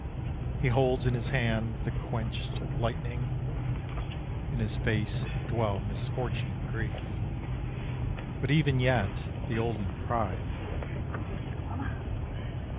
He holds in his hand the quenched lightning, In his face dwell misfortune and grief; But even yet the olden pride.